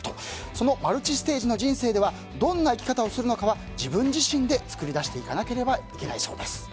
そのマルチステージの人生ではどんな生き方をするのかは自分自身で作り出していかなければいけないそうです。